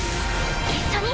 一緒に？